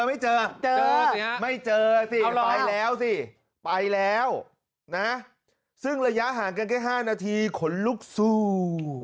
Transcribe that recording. ไม่เจอเจอสิไม่เจอสิไปแล้วสิไปแล้วนะซึ่งระยะห่างกันแค่๕นาทีขนลุกสู้